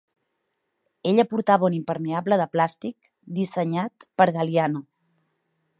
Ella portava un impermeable de plàstic dissenyat per Galliano.